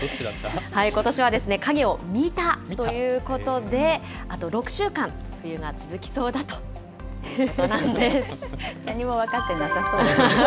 ことしは影を見たということで、あと６週間、冬が続きそうだとい何も分かってなさそう。